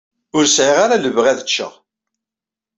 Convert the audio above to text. Ur sɛiɣ ara lebɣi ad ččeɣ.